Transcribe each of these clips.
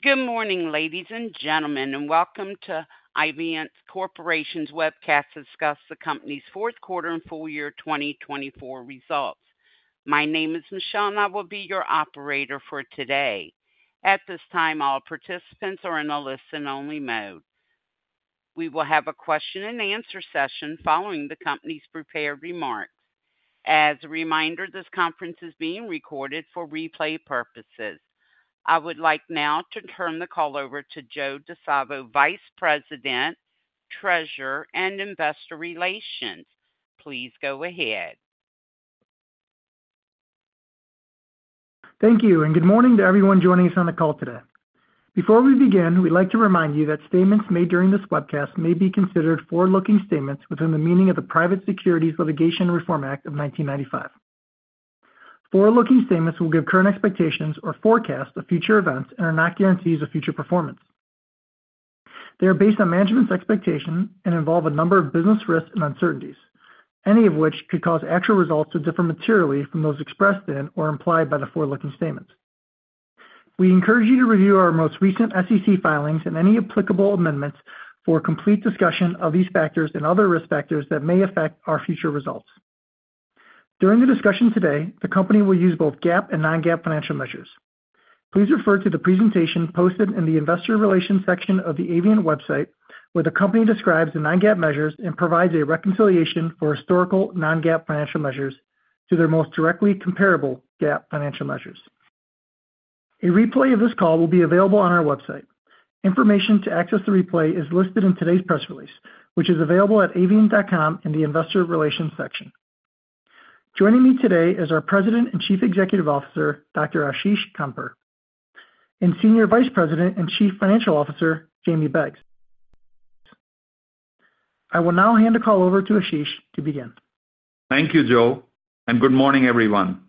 Good morning, ladies and gentlemen, and welcome to Avient Corporation's webcast to discuss the company's Fourth Quarter and full year 2024 results. My name is Michelle, and I will be your operator for today. At this time, all participants are in a listen-only mode. We will have a question-and-answer session following the company's prepared remarks. As a reminder, this conference is being recorded for replay purposes. I would like now to turn the call over to Joe Di Salvo, Vice President, Treasurer and Investor Relations. Please go ahead. Thank you, and good morning to everyone joining us on the call today. Before we begin, we'd like to remind you that statements made during this webcast may be considered forward-looking statements within the meaning of the Private Securities Litigation Reform Act of 1995. Forward-looking statements will give current expectations or forecast the future events and are not guarantees of future performance. They are based on management's expectation and involve a number of business risks and uncertainties, any of which could cause actual results to differ materially from those expressed in or implied by the forward-looking statements. We encourage you to review our most recent SEC filings and any applicable amendments for complete discussion of these factors and other risk factors that may affect our future results. During the discussion today, the company will use both GAAP and non-GAAP financial measures. Please refer to the presentation posted in the Investor Relations section of the Avient website, where the company describes the non-GAAP measures and provides a reconciliation for historical non-GAAP financial measures to their most directly comparable GAAP financial measures. A replay of this call will be available on our website. Information to access the replay is listed in today's press release, which is available at avient.com in the Investor Relations section. Joining me today is our President and Chief Executive Officer, Dr. Ashish Khandpur, and Senior Vice President and Chief Financial Officer, Jamie Beggs. I will now hand the call over to Ashish to begin. Thank you, Joe, and good morning, everyone.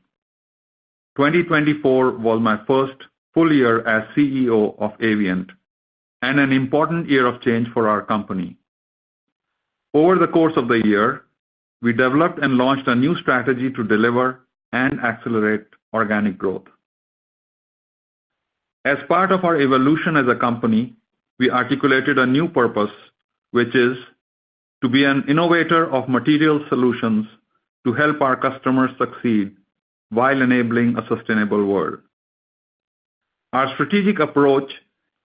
2024 was my first full year as CEO of Avient and an important year of change for our company. Over the course of the year, we developed and launched a new strategy to deliver and accelerate organic growth. As part of our evolution as a company, we articulated a new purpose, which is to be an innovator of material solutions to help our customers succeed while enabling a sustainable world. Our strategic approach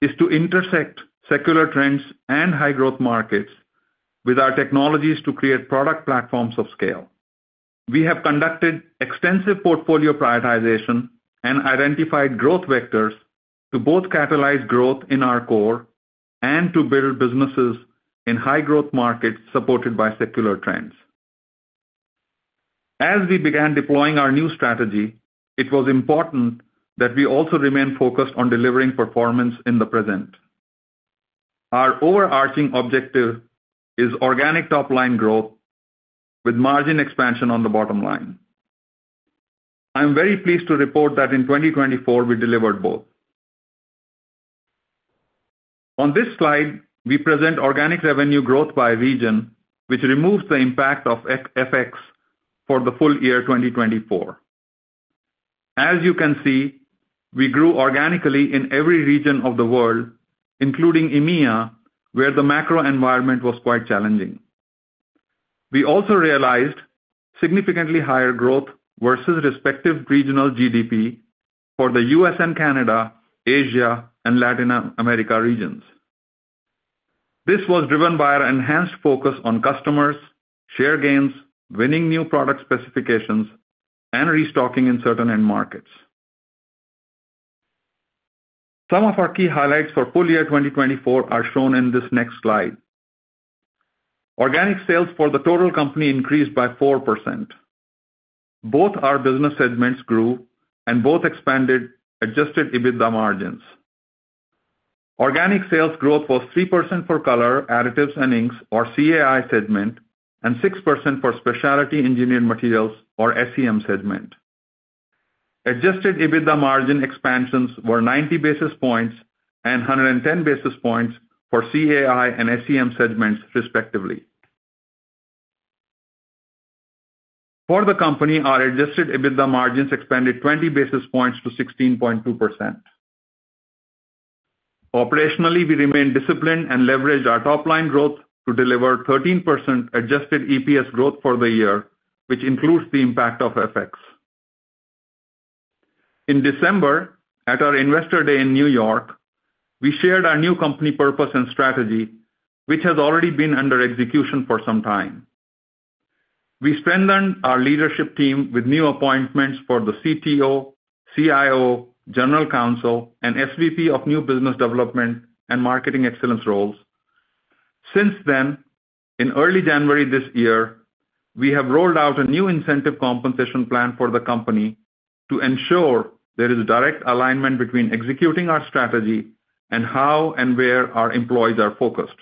is to intersect secular trends and high-growth markets with our technologies to create product platforms of scale. We have conducted extensive portfolio prioritization and identified growth vectors to both catalyze growth in our core and to build businesses in high-growth markets supported by secular trends. As we began deploying our new strategy, it was important that we also remain focused on delivering performance in the present. Our overarching objective is organic top-line growth with margin expansion on the bottom line. I'm very pleased to report that in 2024, we delivered both. On this slide, we present organic revenue growth by region, which removes the impact of FX for the full year 2024. As you can see, we grew organically in every region of the world, including EMEA, where the macro environment was quite challenging. We also realized significantly higher growth versus respective regional GDP for the U.S. and Canada, Asia, and Latin America regions. This was driven by our enhanced focus on customers, share gains, winning new product specifications, and restocking in certain end markets. Some of our key highlights for full year 2024 are shown in this next slide. Organic sales for the total company increased by 4%. Both our business segments grew, and both expanded Adjusted EBITDA margins. Organic sales growth was 3% for Color, Additives, and Inks, or CAI segment, and 6% for Specialty Engineered Materials, or SEM segment. Adjusted EBITDA margin expansions were 90 basis points and 110 basis points for CAI and SEM segments, respectively. For the company, our Adjusted EBITDA margins expanded 20 basis points to 16.2%. Operationally, we remained disciplined and leveraged our top-line growth to deliver 13% Adjusted EPS growth for the year, which includes the impact of FX. In December, at our Investor Day in New York, we shared our new company purpose and strategy, which has already been under execution for some time. We strengthened our leadership team with new appointments for the CTO, CIO, General Counsel, and SVP of New Business Development and Marketing Excellence roles. Since then, in early January this year, we have rolled out a new incentive compensation plan for the company to ensure there is direct alignment between executing our strategy and how and where our employees are focused.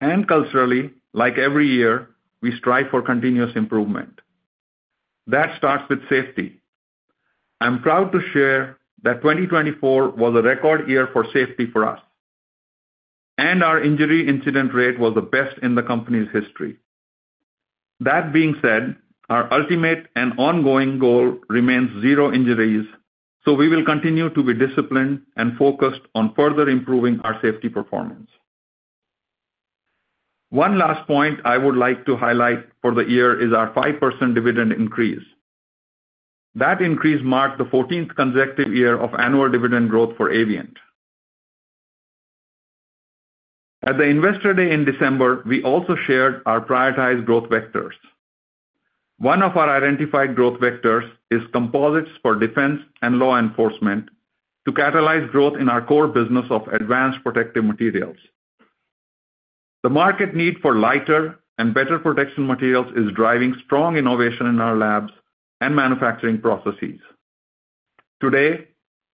And culturally, like every year, we strive for continuous improvement. That starts with safety. I'm proud to share that 2024 was a record year for safety for us, and our injury incident rate was the best in the company's history. That being said, our ultimate and ongoing goal remains zero injuries, so we will continue to be disciplined and focused on further improving our safety performance. One last point I would like to highlight for the year is our 5% dividend increase. That increase marked the 14th consecutive year of annual dividend growth for Avient. At the Investor Day in December, we also shared our prioritized growth vectors. One of our identified growth vectors is composites for defense and law enforcement to catalyze growth in our core business of advanced protective materials. The market need for lighter and better protection materials is driving strong innovation in our labs and manufacturing processes. Today,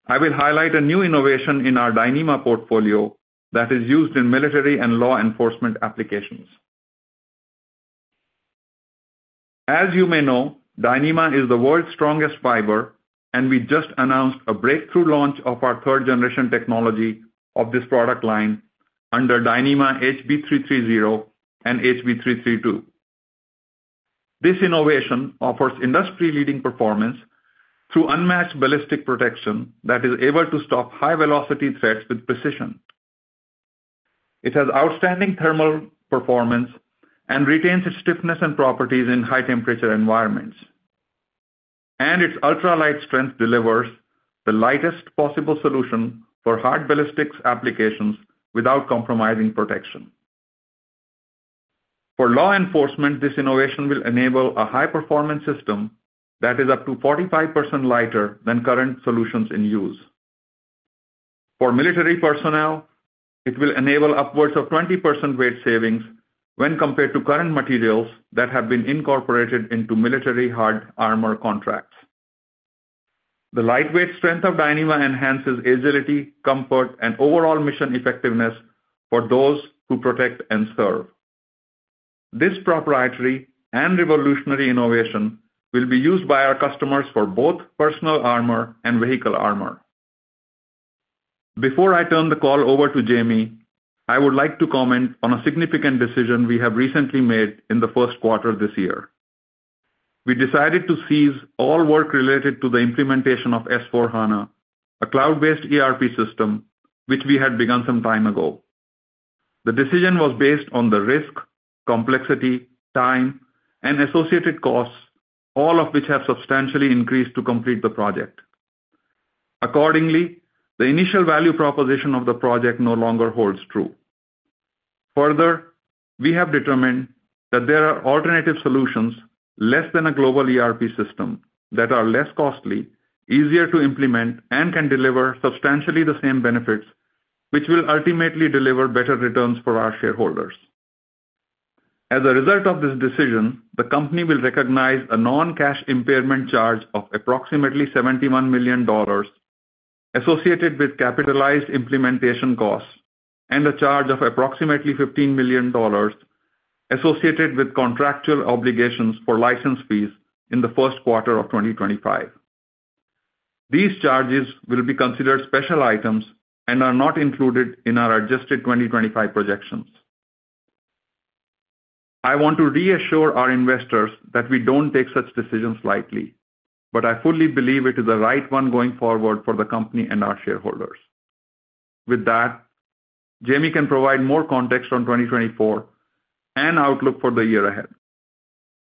I will highlight a new innovation in our Dyneema portfolio that is used in military and law enforcement applications. As you may know, Dyneema is the world's strongest fiber, and we just announced a breakthrough launch of our third-generation technology of this product line under Dyneema HB330 and HB332. This innovation offers industry-leading performance through unmatched ballistic protection that is able to stop high-velocity threats with precision. It has outstanding thermal performance and retains its stiffness and properties in high-temperature environments, and its ultralight strength delivers the lightest possible solution for hard ballistics applications without compromising protection. For law enforcement, this innovation will enable a high-performance system that is up to 45% lighter than current solutions in use. For military personnel, it will enable upwards of 20% weight savings when compared to current materials that have been incorporated into military hard armor contracts. The lightweight strength of Dyneema enhances agility, comfort, and overall mission effectiveness for those who protect and serve. This proprietary and revolutionary innovation will be used by our customers for both personal armor and vehicle armor. Before I turn the call over to Jamie, I would like to comment on a significant decision we have recently made in the first quarter this year. We decided to cease all work related to the implementation of S/4HANA, a cloud-based ERP system, which we had begun some time ago. The decision was based on the risk, complexity, time, and associated costs, all of which have substantially increased to complete the project. Accordingly, the initial value proposition of the project no longer holds true. Further, we have determined that there are alternative solutions less than a global ERP system that are less costly, easier to implement, and can deliver substantially the same benefits, which will ultimately deliver better returns for our shareholders. As a result of this decision, the company will recognize a non-cash impairment charge of approximately $71 million associated with capitalized implementation costs and a charge of approximately $15 million associated with contractual obligations for license fees in the first quarter of 2025. These charges will be considered special items and are not included in our adjusted 2025 projections. I want to reassure our investors that we don't take such decisions lightly, but I fully believe it is the right one going forward for the company and our shareholders. With that, Jamie can provide more context on 2024 and outlook for the year ahead.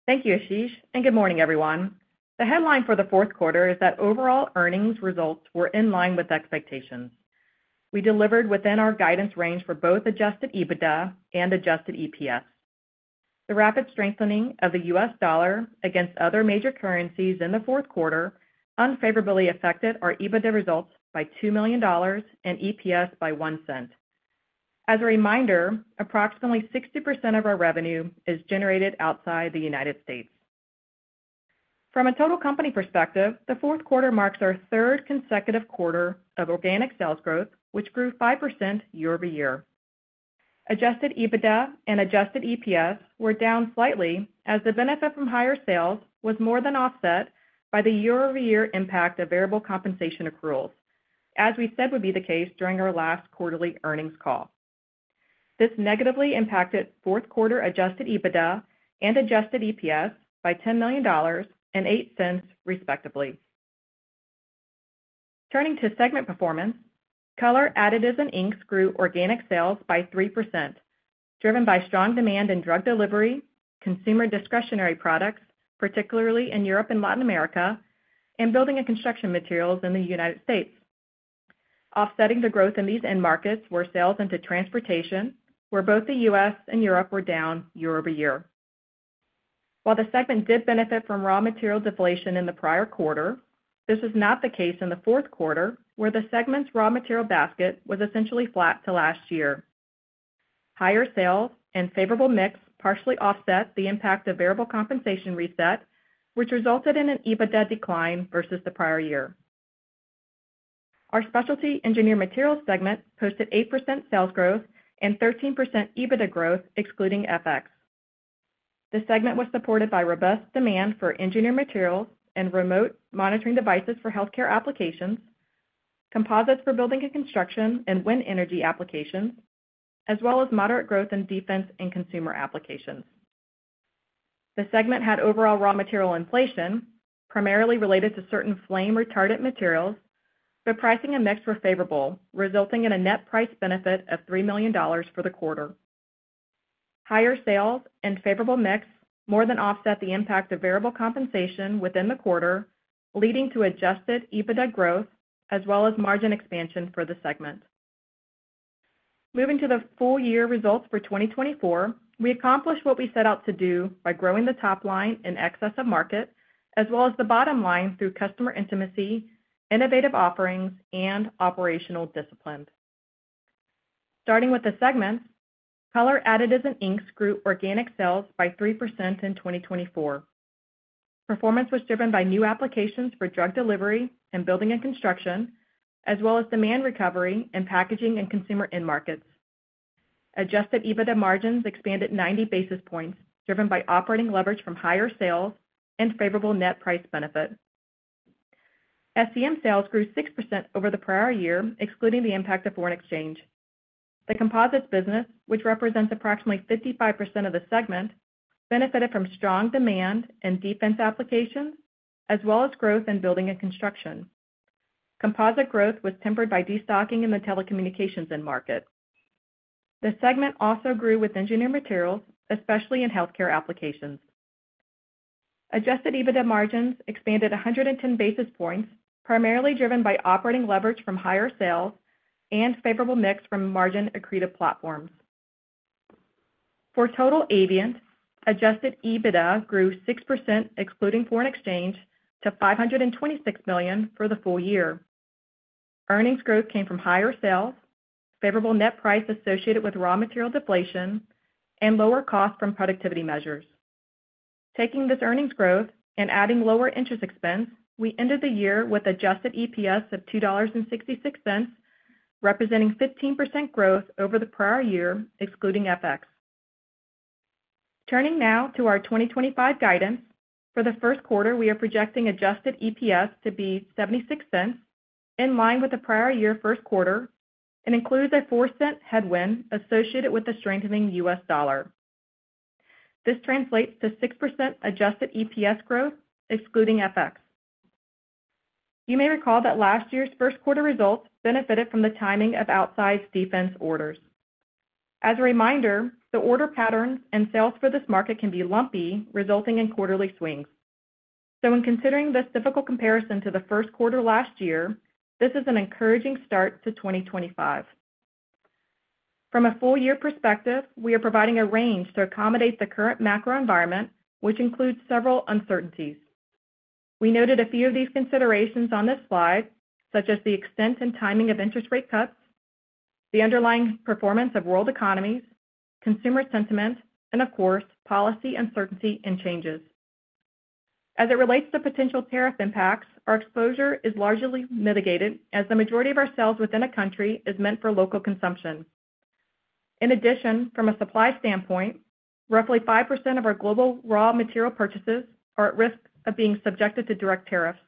Thank you, Ashish, and good morning, everyone. The headline for the fourth quarter is that overall earnings results were in line with expectations. We delivered within our guidance range for both adjusted EBITDA and adjusted EPS. The rapid strengthening of the U.S. dollar against other major currencies in the fourth quarter unfavorably affected our EBITDA results by $2 million and EPS by $0.01. As a reminder, approximately 60% of our revenue is generated outside the United States. From a total company perspective, the fourth quarter marks our third consecutive quarter of organic sales growth, which grew 5% year over year. Adjusted EBITDA and adjusted EPS were down slightly as the benefit from higher sales was more than offset by the year-over-year impact of variable compensation accruals, as we said would be the case during our last quarterly earnings call. This negatively impacted fourth-quarter adjusted EBITDA and adjusted EPS by $10 million and $0.08, respectively. Turning to segment performance, Color, Additives, and Inks grew organic sales by 3%, driven by strong demand in drug delivery, consumer discretionary products, particularly in Europe and Latin America, and building and construction materials in the United States. Offsetting the growth in these end markets were sales into transportation, where both the U.S. and Europe were down year over year. While the segment did benefit from raw material deflation in the prior quarter, this was not the case in the fourth quarter, where the segment's raw material basket was essentially flat to last year. Higher sales and favorable mix partially offset the impact of variable compensation reset, which resulted in an EBITDA decline versus the prior year. Our Specialty Engineered Materials segment posted 8% sales growth and 13% EBITDA growth, excluding FX. The segment was supported by robust demand for engineered materials and remote monitoring devices for healthcare applications, composites for building and construction and wind energy applications, as well as moderate growth in defense and consumer applications. The segment had overall raw material inflation, primarily related to certain flame retardant materials, but pricing and mix were favorable, resulting in a net price benefit of $3 million for the quarter. Higher sales and favorable mix more than offset the impact of variable compensation within the quarter, leading to adjusted EBITDA growth as well as margin expansion for the segment. Moving to the full year results for 2024, we accomplished what we set out to do by growing the top line in excess of market, as well as the bottom line through customer intimacy, innovative offerings, and operational discipline. Starting with the segments, Color, Additives, and Inks grew organic sales by 3% in 2024. Performance was driven by new applications for drug delivery and building and construction, as well as demand recovery in packaging and consumer end markets. Adjusted EBITDA margins expanded 90 basis points, driven by operating leverage from higher sales and favorable net price benefit. SEM sales grew 6% over the prior year, excluding the impact of foreign exchange. The composites business, which represents approximately 55% of the segment, benefited from strong demand in defense applications, as well as growth in building and construction. Composite growth was tempered by destocking in the telecommunications end market. The segment also grew with engineered materials, especially in healthcare applications. Adjusted EBITDA margins expanded 110 basis points, primarily driven by operating leverage from higher sales and favorable mix from margin accretive platforms. For total Avient, adjusted EBITDA grew 6%, excluding foreign exchange, to $526 million for the full year. Earnings growth came from higher sales, favorable net price associated with raw material deflation, and lower costs from productivity measures. Taking this earnings growth and adding lower interest expense, we ended the year with adjusted EPS of $2.66, representing 15% growth over the prior year, excluding FX. Turning now to our 2025 guidance, for the first quarter, we are projecting adjusted EPS to be $0.76, in line with the prior year first quarter, and includes a $0.04 headwind associated with the strengthening U.S. dollar. This translates to 6% adjusted EPS growth, excluding FX. You may recall that last year's first quarter results benefited from the timing of outsized defense orders. As a reminder, the order patterns and sales for this market can be lumpy, resulting in quarterly swings. So when considering this difficult comparison to the first quarter last year, this is an encouraging start to 2025. From a full year perspective, we are providing a range to accommodate the current macro environment, which includes several uncertainties. We noted a few of these considerations on this slide, such as the extent and timing of interest rate cuts, the underlying performance of world economies, consumer sentiment, and, of course, policy uncertainty and changes. As it relates to potential tariff impacts, our exposure is largely mitigated, as the majority of our sales within a country is meant for local consumption. In addition, from a supply standpoint, roughly 5% of our global raw material purchases are at risk of being subjected to direct tariffs.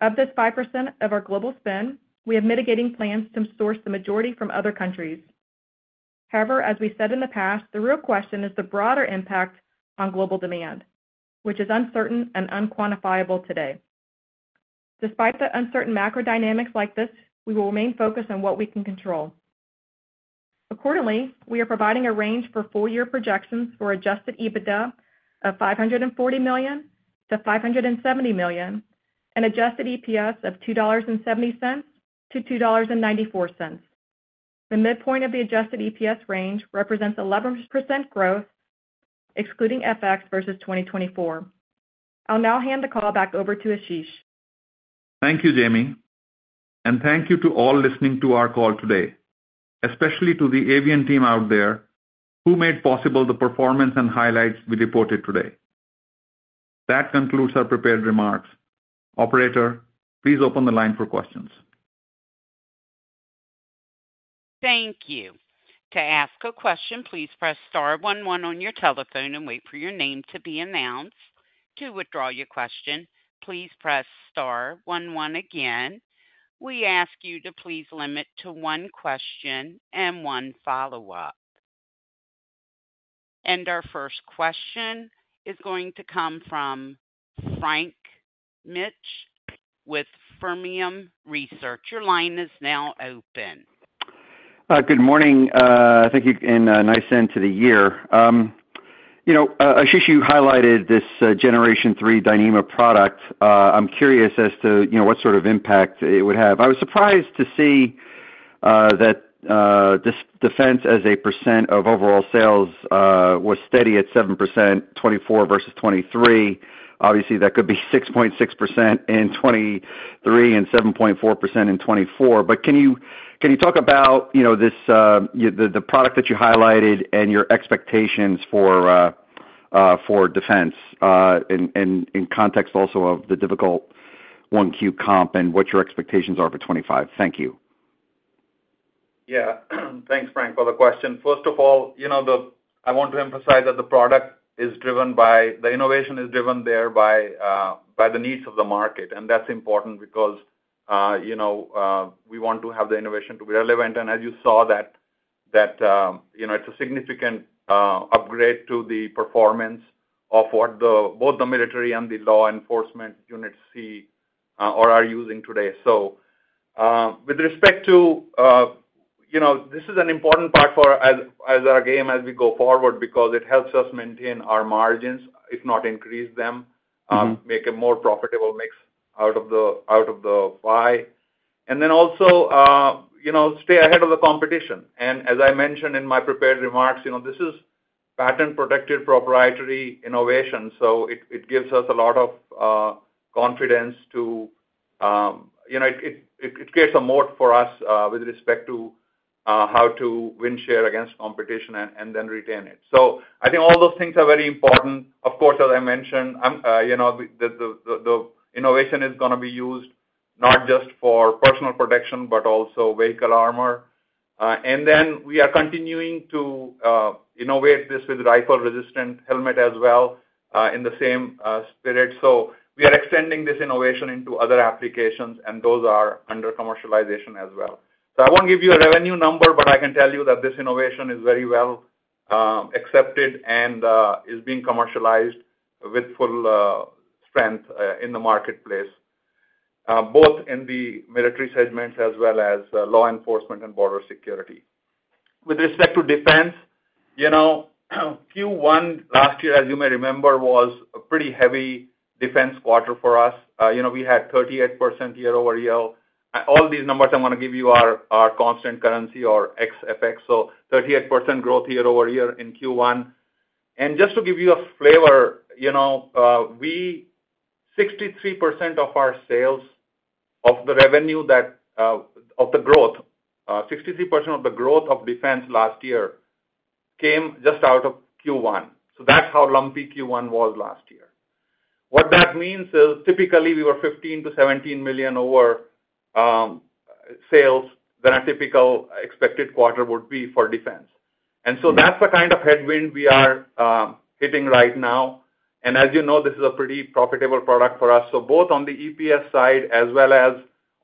Of this 5% of our global spend, we have mitigating plans to source the majority from other countries. However, as we said in the past, the real question is the broader impact on global demand, which is uncertain and unquantifiable today. Despite the uncertain macro dynamics like this, we will remain focused on what we can control. Accordingly, we are providing a range for full year projections for Adjusted EBITDA of $540 million-$570 million, and Adjusted EPS of $2.70-$2.94. The midpoint of the Adjusted EPS range represents 11% growth, excluding FX versus 2024. I'll now hand the call back over to Ashish. Thank you, Jamie. And thank you to all listening to our call today, especially to the Avient team out there who made possible the performance and highlights we reported today. That concludes our prepared remarks. Operator, please open the line for questions. Thank you. To ask a question, please press star one one on your telephone and wait for your name to be announced. To withdraw your question, please press star 11 again. We ask you to please limit to one question and one follow-up. And our first question is going to come from Frank Mitsch with Fermium Research. Your line is now open. Good morning. Thank you and nice end to the year. Ashish, you highlighted this Generation 3 Dyneema product. I'm curious as to what sort of impact it would have. I was surprised to see that defense as a percent of overall sales was steady at 7%, 2024 versus 2023. Obviously, that could be 6.6% in 2023 and 7.4% in 2024. But can you talk about the product that you highlighted and your expectations for defense in context also of the difficult 1Q comp and what your expectations are for 2025? Thank you. Yeah. Thanks, Frank, for the question. First of all, I want to emphasize that the innovation is driven there by the needs of the market. And that's important because we want to have the innovation to be relevant. And as you saw, that's a significant upgrade to the performance of what both the military and the law enforcement units see or are using today. So with respect to this is an important part for our game as we go forward because it helps us maintain our margins, if not increase them, make a more profitable mix out of the buy. And then also stay ahead of the competition. And as I mentioned in my prepared remarks, this is patent-protected proprietary innovation. So it gives us a lot of confidence that it creates a moat for us with respect to how to win share against competition and then retain it. So I think all those things are very important. Of course, as I mentioned, the innovation is going to be used not just for personal protection, but also vehicle armor. And then we are continuing to innovate this with rifle-resistant helmet as well in the same spirit. So we are extending this innovation into other applications, and those are under commercialization as well. So I won't give you a revenue number, but I can tell you that this innovation is very well accepted and is being commercialized with full strength in the marketplace, both in the military segments as well as law enforcement and border security. With respect to defense, Q1 last year, as you may remember, was a pretty heavy defense quarter for us. We had 38% year over year. All these numbers I'm going to give you are constant currency or ex-FX. So 38% growth year over year in Q1. And just to give you a flavor, 63% of our sales of the revenue of the growth, 63% of the growth of defense last year came just out of Q1. So that's how lumpy Q1 was last year. What that means is typically we were $15 million-$17 million over sales than a typical expected quarter would be for defense. And so that's the kind of headwind we are hitting right now. And as you know, this is a pretty profitable product for us. So both on the EPS side as well as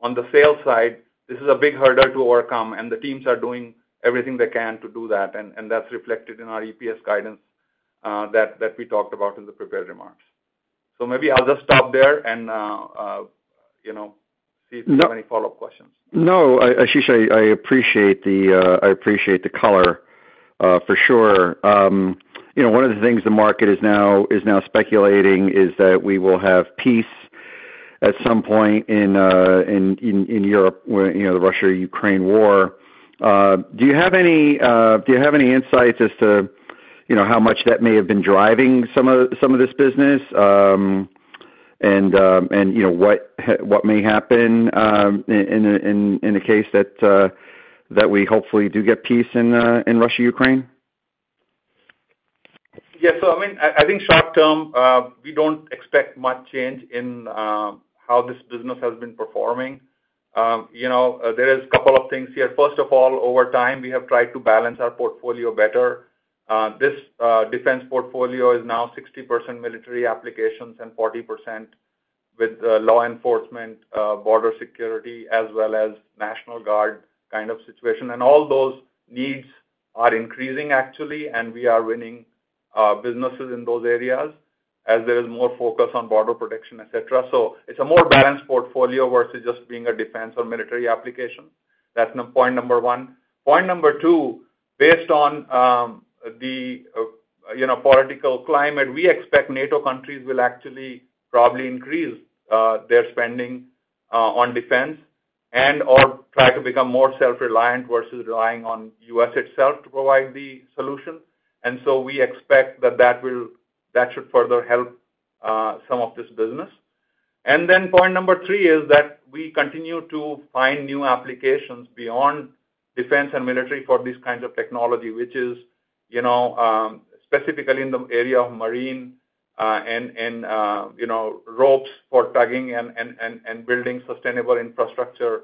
on the sales side, this is a big hurdle to overcome. And the teams are doing everything they can to do that. And that's reflected in our EPS guidance that we talked about in the prepared remarks. So maybe I'll just stop there and see if there are any follow-up questions. No, Ashish, I appreciate the color, for sure. One of the things the market is now speculating is that we will have peace at some point in Europe, the Russia-Ukraine war. Do you have any insight as to how much that may have been driving some of this business and what may happen in the case that we hopefully do get peace in Russia-Ukraine? Yes. So I mean, I think short term, we don't expect much change in how this business has been performing. There is a couple of things here. First of all, over time, we have tried to balance our portfolio better. This defense portfolio is now 60% military applications and 40% with law enforcement, border security, as well as National Guard kind of situation. And all those needs are increasing, actually, and we are winning businesses in those areas as there is more focus on border protection, etc. So it's a more balanced portfolio versus just being a defense or military application. That's point number one. Point number two, based on the political climate, we expect NATO countries will actually probably increase their spending on defense and/or try to become more self-reliant versus relying on the U.S. itself to provide the solution. So we expect that that should further help some of this business. Then point number three is that we continue to find new applications beyond defense and military for these kinds of technology, which is specifically in the area of marine and ropes for tugging and building sustainable infrastructure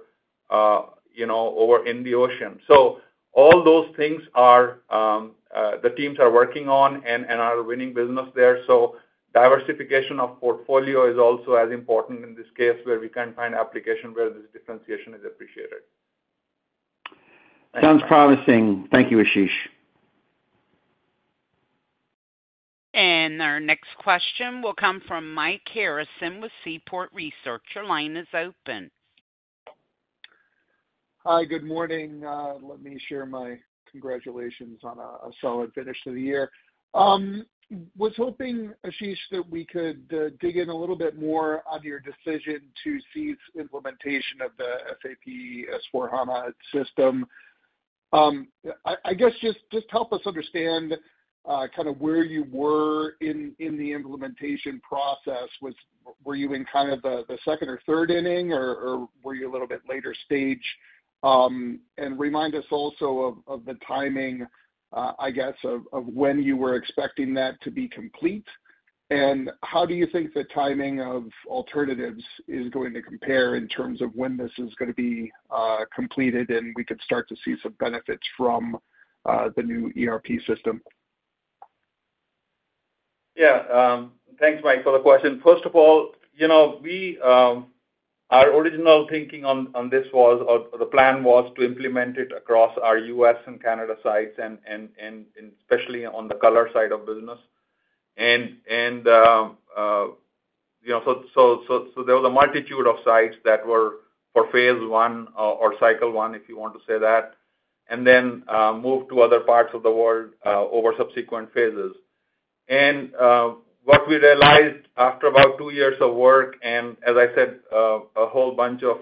over in the ocean. All those things the teams are working on and are winning business there. Diversification of portfolio is also as important in this case where we can find application where this differentiation is appreciated. Sounds promising. Thank you, Ashish. And our next question will come from Mike Harrison with Seaport Research. Your line is open. Hi, good morning. Let me share my congratulations on a solid finish to the year. Was hoping, Ashish, that we could dig in a little bit more on your decision to cease implementation of the SAP S/4HANA system. I guess just help us understand kind of where you were in the implementation process. Were you in kind of the second or third inning, or were you a little bit later stage? And remind us also of the timing, I guess, of when you were expecting that to be complete. And how do you think the timing of alternatives is going to compare in terms of when this is going to be completed and we could start to see some benefits from the new ERP system? Yeah. Thanks, Mike, for the question. First of all, our original thinking on this was or the plan was to implement it across our U.S. and Canada sites, and especially on the color side of business, and so there was a multitude of sites that were for phase one or cycle one, if you want to say that, and then moved to other parts of the world over subsequent phases, and what we realized after about two years of work, and as I said, a whole bunch of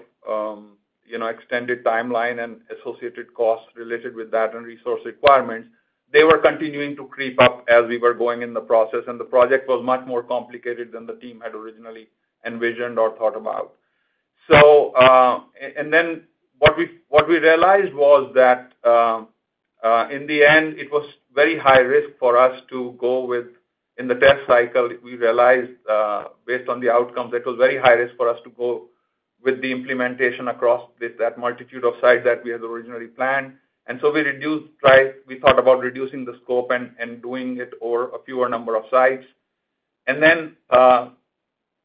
extended timeline and associated costs related with that and resource requirements, they were continuing to creep up as we were going in the process. And the project was much more complicated than the team had originally envisioned or thought about. And then what we realized was that in the end, it was very high risk for us to go with in the test cycle. We realized based on the outcomes that it was very high risk for us to go with the implementation across that multitude of sites that we had originally planned. And so we thought about reducing the scope and doing it over a fewer number of sites. And then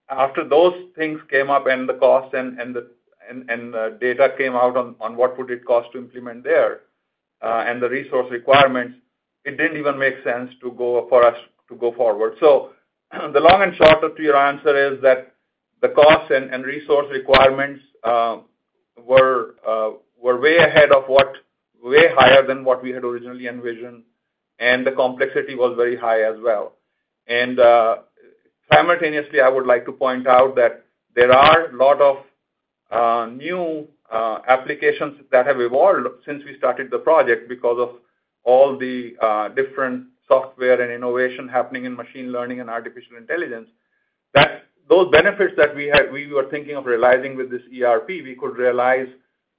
after those things came up and the cost and the data came out on what would it cost to implement there and the resource requirements, it didn't even make sense for us to go forward. So the long and short of your answer is that the cost and resource requirements were way ahead of what, way higher than what we had originally envisioned. And the complexity was very high as well. And simultaneously, I would like to point out that there are a lot of new applications that have evolved since we started the project because of all the different software and innovation happening in machine learning and artificial intelligence. Those benefits that we were thinking of realizing with this ERP, we could realize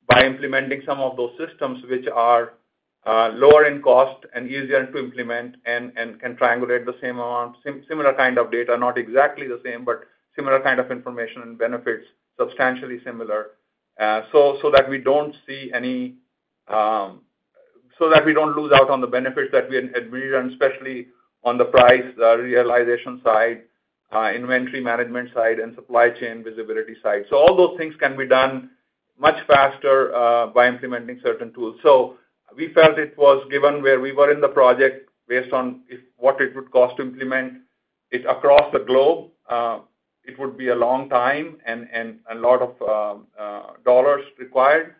by implementing some of those systems which are lower in cost and easier to implement and can triangulate the same amount, similar kind of data, not exactly the same, but similar kind of information and benefits, substantially similar. So that we don't lose out on the benefits that we had envisioned, especially on the price realization side, inventory management side, and supply chain visibility side. So all those things can be done much faster by implementing certain tools. So we felt it was given where we were in the project based on what it would cost to implement it across the globe. It would be a long time and a lot of dollars required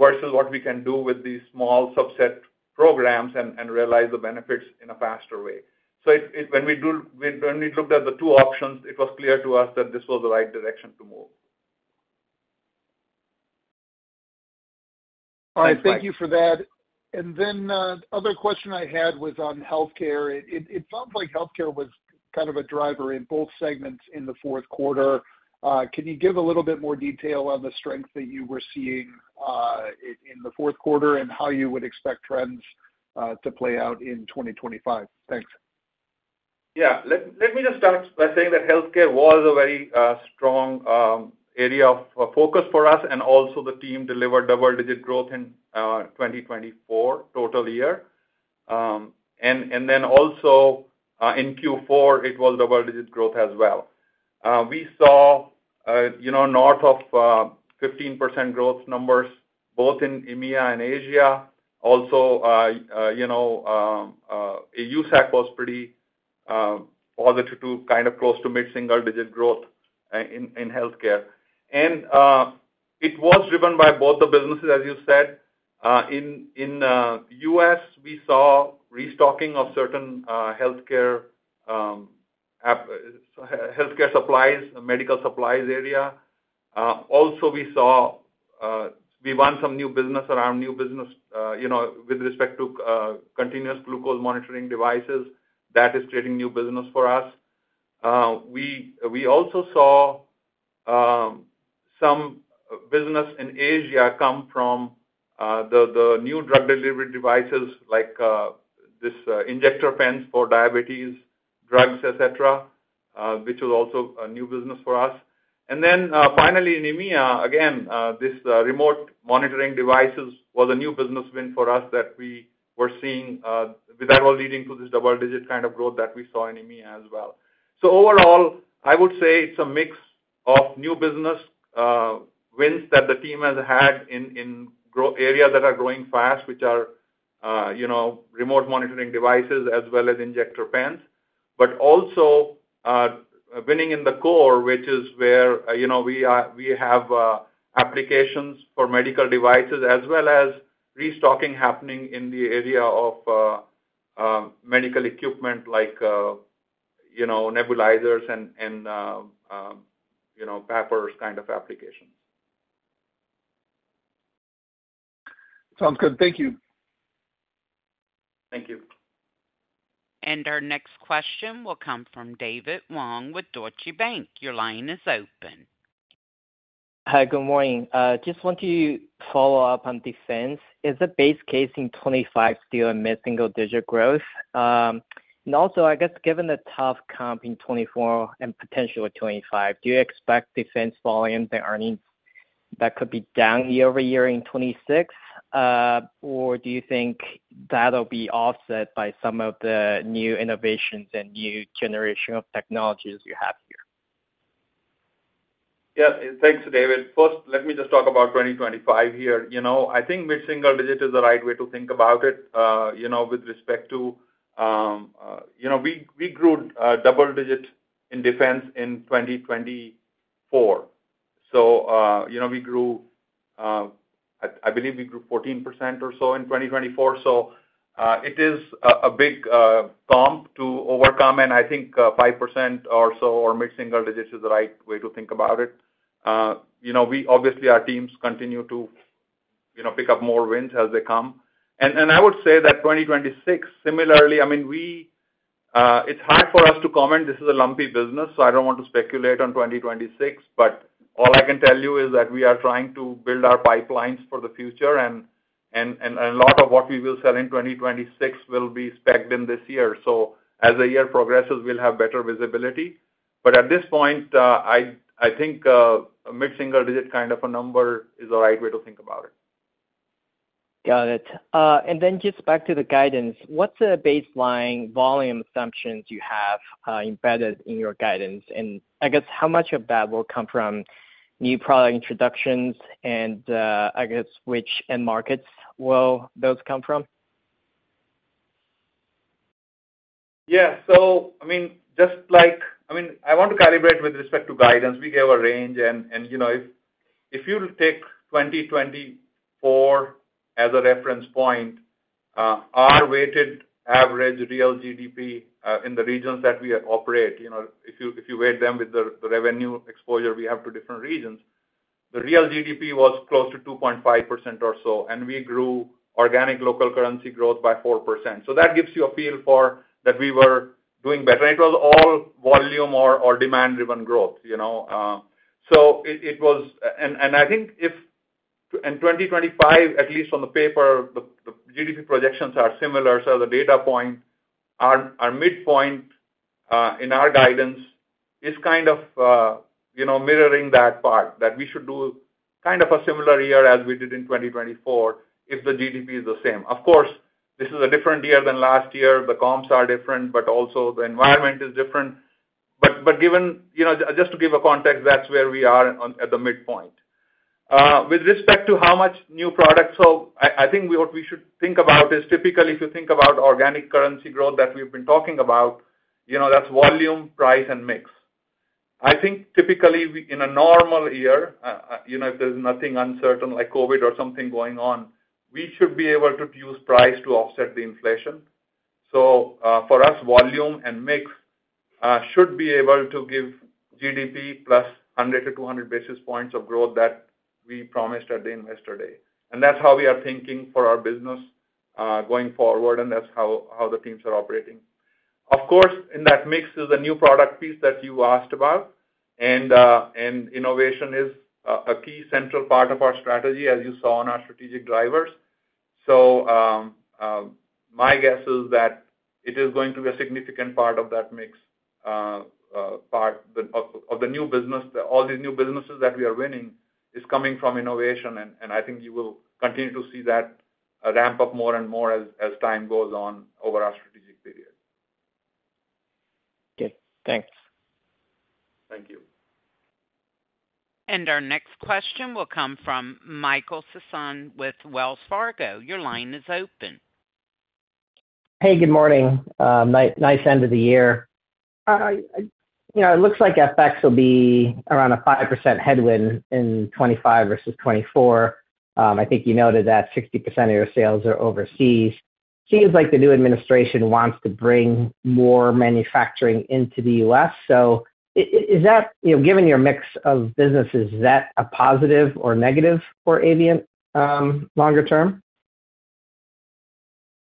versus what we can do with these small subset programs and realize the benefits in a faster way. So when we looked at the two options, it was clear to us that this was the right direction to move. All right. Thank you for that. And then the other question I had was on healthcare. It sounds like healthcare was kind of a driver in both segments in the fourth quarter. Can you give a little bit more detail on the strength that you were seeing in the fourth quarter and how you would expect trends to play out in 2025? Thanks. Yeah. Let me just start by saying that healthcare was a very strong area of focus for us. And also the team delivered double-digit growth in 2024 total year. And then also in Q4, it was double-digit growth as well. We saw north of 15% growth numbers both in EMEA and Asia. Also, USAC was pretty positive to kind of close to mid-single-digit growth in healthcare. And it was driven by both the businesses, as you said. In U.S., we saw restocking of certain healthcare supplies, medical supplies area. Also, we saw we won some new business around new business with respect to continuous glucose monitoring devices. That is creating new business for us. We also saw some business in Asia come from the new drug-delivery devices like this injector pens for diabetes drugs, etc., which was also new business for us. And then finally, in EMEA, again, this remote monitoring devices was a new business win for us that we were seeing that was leading to this double-digit kind of growth that we saw in EMEA as well. So overall, I would say it's a mix of new business wins that the team has had in areas that are growing fast, which are remote monitoring devices as well as injector pens, but also winning in the core, which is where we have applications for medical devices as well as restocking happening in the area of medical equipment like nebulizers and PAPRs kind of applications. Sounds good. Thank you. Thank you. Our next question will come from David Wong with Deutsche Bank. Your line is open. Hi, good morning. Just want to follow up on defense. Is the base case in 2025 still a mid-single-digit growth? And also, I guess given the tough comp in 2024 and potentially 2025, do you expect defense volumes and earnings that could be down year over year in 2026, or do you think that'll be offset by some of the new innovations and new generation of technologies you have here? Yeah. Thanks, David. First, let me just talk about 2025 here. I think mid-single-digit is the right way to think about it with respect to we grew double-digit in defense in 2024. So we grew, I believe we grew 14% or so in 2024. So it is a big comp to overcome, and I think 5% or so or mid-single-digit is the right way to think about it. We obviously, our teams continue to pick up more wins as they come, and I would say that 2026, similarly, I mean, it's hard for us to comment. This is a lumpy business, so I don't want to speculate on 2026. But all I can tell you is that we are trying to build our pipelines for the future, and a lot of what we will sell in 2026 will be specced in this year. So as the year progresses, we'll have better visibility. But at this point, I think mid-single-digit kind of a number is the right way to think about it. Got it. And then just back to the guidance, what's the baseline volume assumptions you have embedded in your guidance? And I guess how much of that will come from new product introductions and I guess which end markets will those come from? Yeah. So I mean, just like I mean, I want to calibrate with respect to guidance. We gave a range. And if you take 2024 as a reference point, our weighted average real GDP in the regions that we operate, if you weigh them with the revenue exposure we have to different regions, the real GDP was close to 2.5% or so. And we grew organic local currency growth by 4%. So that gives you a feel for that we were doing better. And it was all volume or demand-driven growth. So it was, and I think if in 2025, at least on the paper, the GDP projections are similar. So the data point, our midpoint in our guidance is kind of mirroring that part that we should do kind of a similar year as we did in 2024 if the GDP is the same. Of course, this is a different year than last year. The comps are different, but also the environment is different, but just to give a context, that's where we are at the midpoint. With respect to how much new product, so I think what we should think about is typically if you think about organic currency growth that we've been talking about, that's volume, price, and mix. I think typically in a normal year, if there's nothing uncertain like COVID or something going on, we should be able to use price to offset the inflation. So for us, volume and mix should be able to give GDP plus 100 to 200 basis points of growth that we promised at the investor day, and that's how we are thinking for our business going forward, and that's how the teams are operating. Of course, in that mix is the new product piece that you asked about, and innovation is a key central part of our strategy, as you saw in our strategic drivers, so my guess is that it is going to be a significant part of that mix part of the new business. All these new businesses that we are winning is coming from innovation, and I think you will continue to see that ramp up more and more as time goes on over our strategic period. Okay. Thanks. Thank you. Our next question will come from Michael Sison with Wells Fargo. Your line is open. Hey, good morning. Nice end of the year. It looks like FX will be around a 5% headwind in 2025 versus 2024. I think you noted that 60% of your sales are overseas. Seems like the new administration wants to bring more manufacturing into the U.S. So is that, given your mix of businesses, is that a positive or negative for Avient, longer term?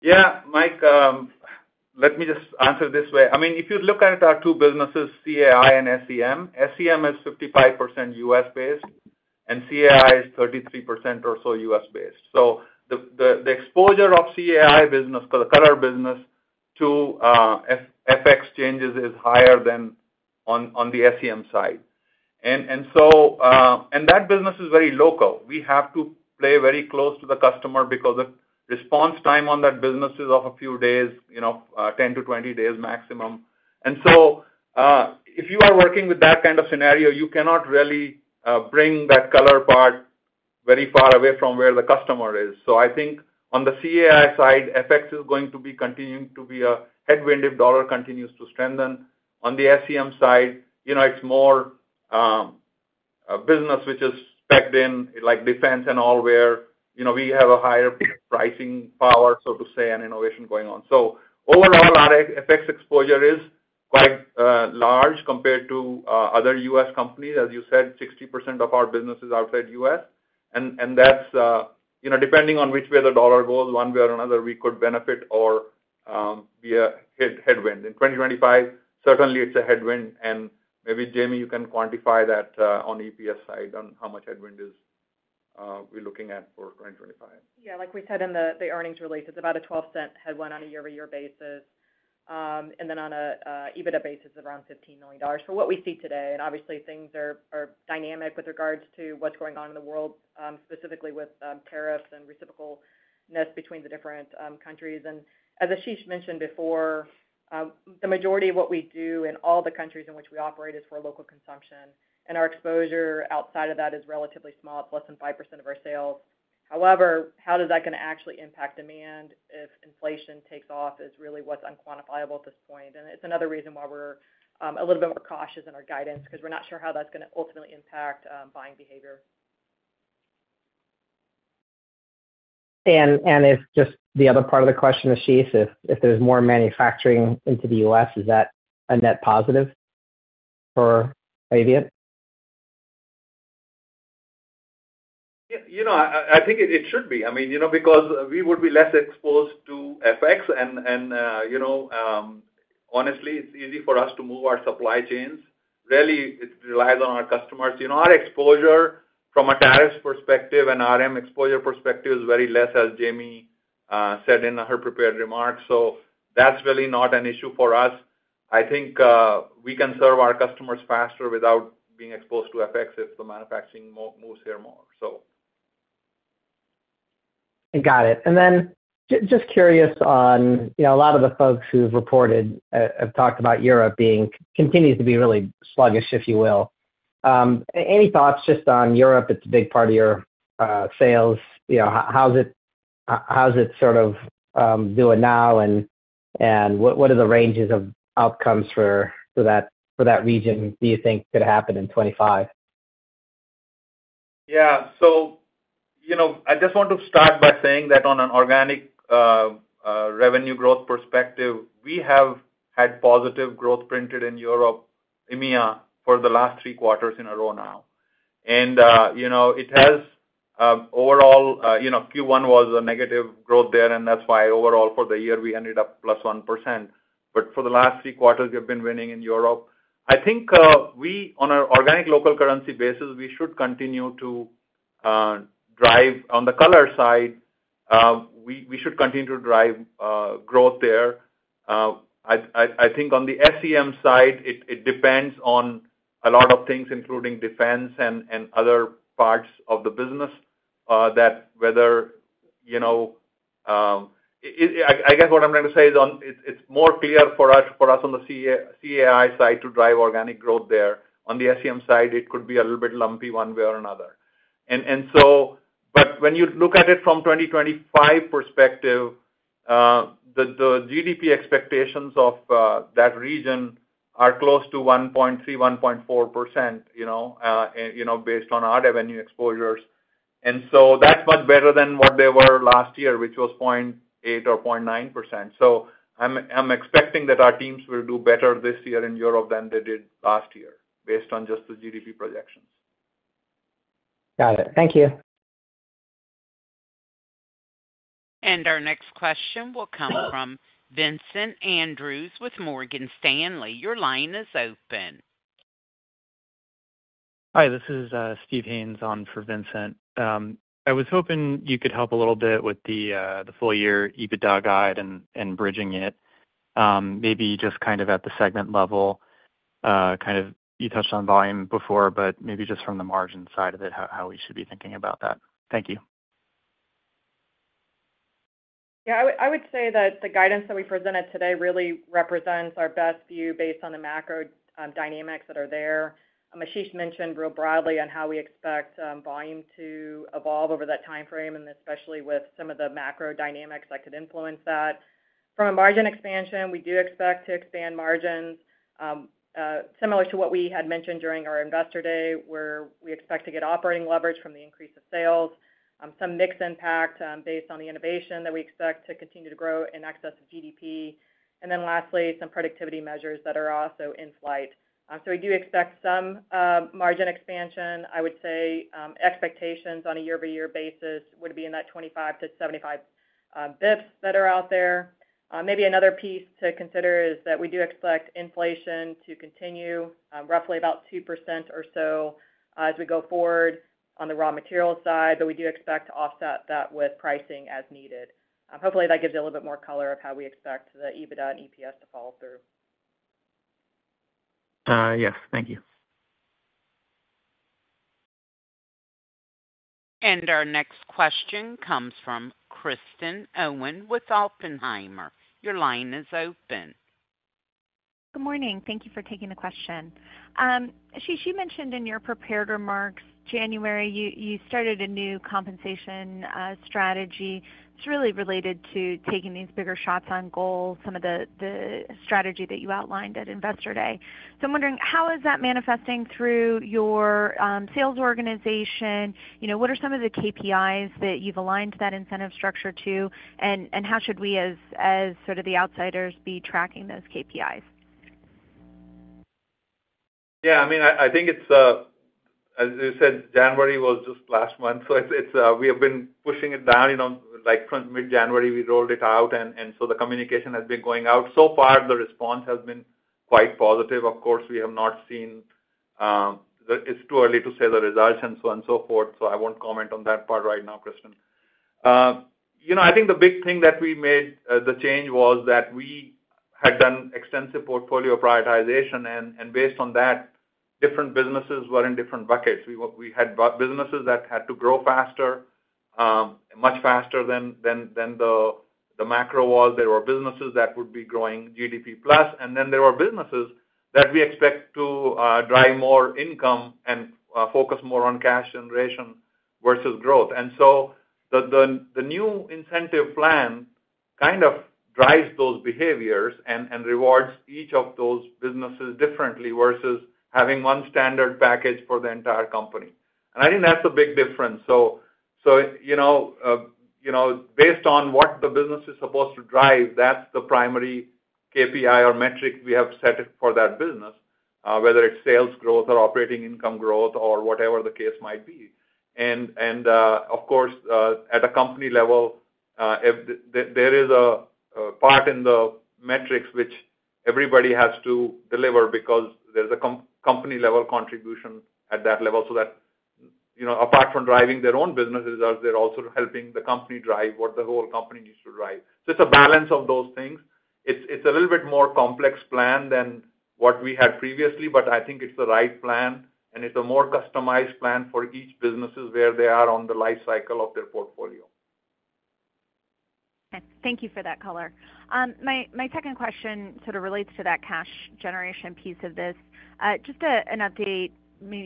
Yeah. Mike, let me just answer this way. I mean, if you look at our two businesses, CAI and SEM, SEM is 55% U.S.-based and CAI is 33% or so U.S.-based. So the exposure of CAI business, the color business to FX changes is higher than on the SEM side. And that business is very local. We have to play very close to the customer because the response time on that business is of a few days, 10-20 days maximum. And so if you are working with that kind of scenario, you cannot really bring that color part very far away from where the customer is. So I think on the CAI side, FX is going to be continuing to be a headwind if dollar continues to strengthen. On the SEM side, it's more business which is specced in like defense and all where we have a higher pricing power, so to say, and innovation going on, so overall, our FX exposure is quite large compared to other U.S. companies. As you said, 60% of our business is outside U.S., and that's depending on which way the dollar goes, one way or another, we could benefit or be a headwind. In 2025, certainly it's a headwind, and maybe Jamie, you can quantify that on EPS side on how much headwind we're looking at for 2025. Yeah. Like we said in the earnings release, it's about a $0.12 headwind on a year-over-year basis. And then on an EBITDA basis, it's around $15 million for what we see today. And obviously, things are dynamic with regards to what's going on in the world, specifically with tariffs and reciprocity between the different countries. And as Ashish mentioned before, the majority of what we do in all the countries in which we operate is for local consumption. And our exposure outside of that is relatively small. It's less than 5% of our sales. However, how does that going to actually impact demand if inflation takes off is really what's unquantifiable at this point. And it's another reason why we're a little bit more cautious in our guidance because we're not sure how that's going to ultimately impact buying behavior. And it's just the other part of the question, Ashish, if there's more manufacturing into the U.S., is that a net positive for Avient? I think it should be. I mean, because we would be less exposed to FX. And honestly, it's easy for us to move our supply chains. Really, it relies on our customers. Our exposure from a tariff perspective and RM exposure perspective is very less, as Jamie said in her prepared remarks. So that's really not an issue for us. I think we can serve our customers faster without being exposed to FX if the manufacturing moves here more, so. Got it. And then just curious on a lot of the folks who've reported have talked about Europe continuing to be really sluggish, if you will. Any thoughts just on Europe? It's a big part of your sales. How's it sort of doing now? And what are the ranges of outcomes for that region do you think could happen in 2025? Yeah. So I just want to start by saying that on an organic revenue growth perspective, we have had positive growth printed in Europe, EMEA, for the last three quarters in a row now. And, overall, Q1 was a negative growth there. And that's why overall for the year, we ended up plus 1%. But for the last three quarters, we have been winning in Europe. I think we, on an organic local currency basis, we should continue to drive on the color side. We should continue to drive growth there. I think on the SEM side, it depends on a lot of things, including defense and other parts of the business, that whether I guess what I'm trying to say is it's more clear for us on the CAI side to drive organic growth there. On the SEM side, it could be a little bit lumpy one way or another. And so, but when you look at it from a 2025 perspective, the GDP expectations of that region are close to 1.3-1.4% based on our revenue exposures. And so that's much better than what they were last year, which was 0.8% or 0.9%. So I'm expecting that our teams will do better this year in Europe than they did last year based on just the GDP projections. Got it. Thank you. Our next question will come from Vincent Andrews with Morgan Stanley. Your line is open. Hi, this is Steve Haynes on for Vincent. I was hoping you could help a little bit with the full-year EBITDA guide and bridging it, maybe just kind of at the segment level. Kind of you touched on volume before, but maybe just from the margin side of it, how we should be thinking about that. Thank you. Yeah. I would say that the guidance that we presented today really represents our best view based on the macro dynamics that are there. Ashish mentioned real broadly on how we expect volume to evolve over that timeframe, and especially with some of the macro dynamics that could influence that. From a margin expansion, we do expect to expand margins similar to what we had mentioned during our investor day, where we expect to get operating leverage from the increase of sales, some mixed impact based on the innovation that we expect to continue to grow in excess of GDP. And then lastly, some productivity measures that are also in flight. So we do expect some margin expansion. I would say expectations on a year-over-year basis would be in that 25 to 75 basis points that are out there. Maybe another piece to consider is that we do expect inflation to continue roughly about 2% or so as we go forward on the raw material side. But we do expect to offset that with pricing as needed. Hopefully, that gives you a little bit more color of how we expect the EBITDA and EPS to follow through. Yes. Thank you. And our next question comes from Kristen Owen with Oppenheimer. Your line is open. Good morning. Thank you for taking the question. Ashish, you mentioned in your prepared remarks, January, you started a new compensation strategy. It's really related to taking these bigger shots on goals, some of the strategy that you outlined at investor day. So I'm wondering, how is that manifesting through your sales organization? What are some of the KPIs that you've aligned that incentive structure to? And how should we, as sort of the outsiders, be tracking those KPIs? Yeah. I mean, I think it's, as you said, January was just last month. So we have been pushing it down. Like mid-January, we rolled it out. And so the communication has been going out. So far, the response has been quite positive. Of course, we have not seen. It's too early to say the results and so on and so forth. So I won't comment on that part right now, Kristen. I think the big thing that we made the change was that we had done extensive portfolio prioritization. And based on that, different businesses were in different buckets. We had businesses that had to grow faster, much faster than the macro was. There were businesses that would be growing GDP plus. And then there were businesses that we expect to drive more income and focus more on cash generation versus growth. And so the new incentive plan kind of drives those behaviors and rewards each of those businesses differently versus having one standard package for the entire company. And I think that's a big difference. So based on what the business is supposed to drive, that's the primary KPI or metric we have set for that business, whether it's sales growth or operating income growth or whatever the case might be. And of course, at a company level, there is a part in the metrics which everybody has to deliver because there's a company-level contribution at that level. So that apart from driving their own business results, they're also helping the company drive what the whole company needs to drive. So it's a balance of those things. It's a little bit more complex plan than what we had previously, but I think it's the right plan.It's a more customized plan for each business where they are on the life cycle of their portfolio. Thank you for that color. My second question sort of relates to that cash generation piece of this. Just an update,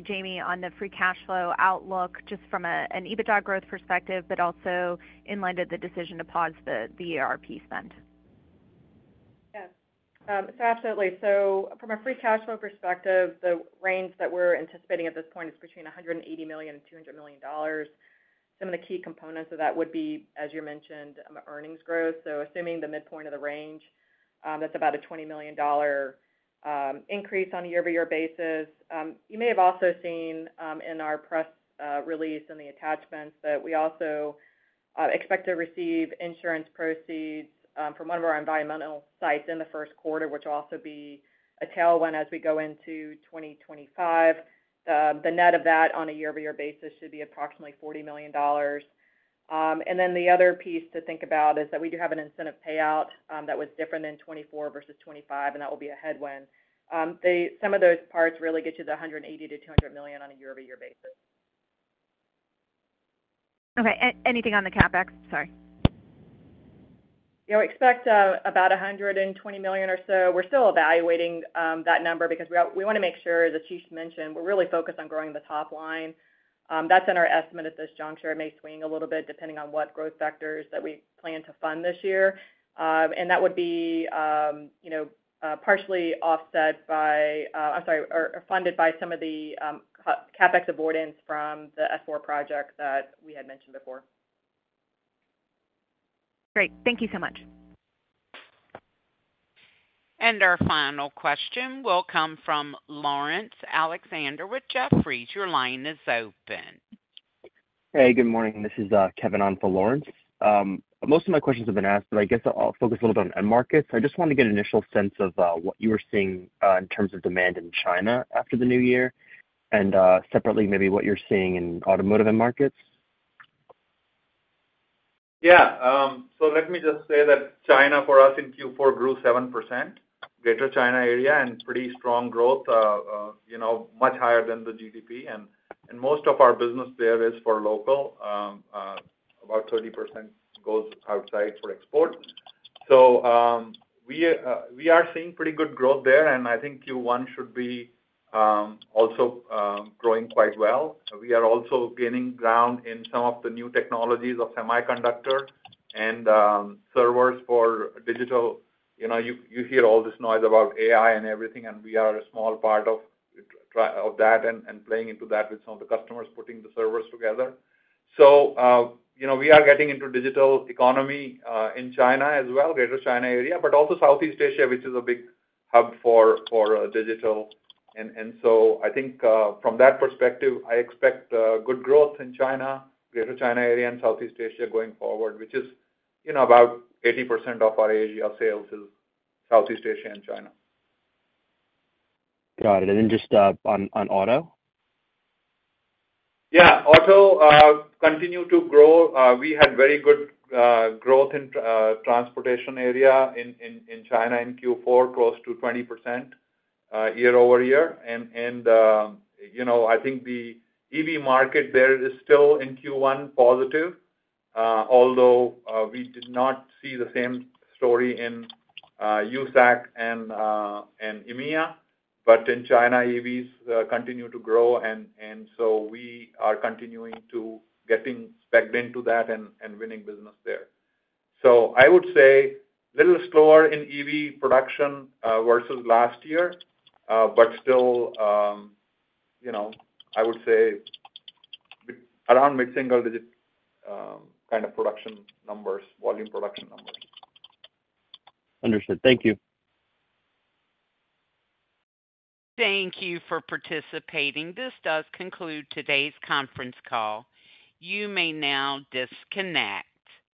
Jamie, on the free cash flow outlook just from an EBITDA growth perspective, but also in line to the decision to pause the ERP spend. Yes. So absolutely. From a free cash flow perspective, the range that we're anticipating at this point is between $180 million-$200 million. Some of the key components of that would be, as you mentioned, earnings growth. Assuming the midpoint of the range, that's about a $20 million increase on a year-over-year basis. You may have also seen in our press release and the attachments that we also expect to receive insurance proceeds from one of our environmental sites in the first quarter, which will also be a tailwind as we go into 2025. The net of that on a year-over-year basis should be approximately $40 million. The other piece to think about is that we do have an incentive payout that was different in 2024 versus 2025, and that will be a headwind. Some of those parts really get you the $180 million-$200 million on a year-over-year basis. Okay. Anything on the CapEx? Sorry. Yeah. We expect about $120 million or so. We're still evaluating that number because we want to make sure, as Ashish mentioned, we're really focused on growing the top line. That's in our estimate at this juncture. It may swing a little bit depending on what growth factors that we plan to fund this year, and that would be partially offset by, I'm sorry, or funded by some of the CapEx avoidance from the S/4 project that we had mentioned before. Great. Thank you so much. Our final question will come from Laurence Alexander with Jefferies. Your line is open. Hey, good morning. This is Kevin on for Laurence. Most of my questions have been asked, but I guess I'll focus a little bit on end markets. I just wanted to get an initial sense of what you were seeing in terms of demand in China after the new year and separately, maybe what you're seeing in automotive end markets. Yeah. So let me just say that China for us in Q4 grew 7%, Greater China area, and pretty strong growth, much higher than the GDP. And most of our business there is for local. About 30% goes outside for export. So we are seeing pretty good growth there. And I think Q1 should be also growing quite well. We are also gaining ground in some of the new technologies of semiconductor and servers for digital. You hear all this noise about AI and everything, and we are a small part of that and playing into that with some of the customers putting the servers together. So we are getting into digital economy in China as well, Greater China area, but also Southeast Asia, which is a big hub for digital. And so I think from that perspective, I expect good growth in China, Greater China area, and Southeast Asia going forward, which is about 80% of our Asia sales is Southeast Asia and China. Got it. And then just on auto? Yeah. Autos continue to grow. We had very good growth in transportation area in China in Q4, close to 20% year over year. I think the EV market there is still in Q1 positive, although we did not see the same story in USAC and EMEA. In China, EVs continue to grow. We are continuing to get back into that and winning business there. I would say a little slower in EV production versus last year, but still, I would say around mid-single-digit kind of production numbers, volume production numbers. Understood. Thank you. Thank you for participating. This does conclude today's conference call. You may now disconnect.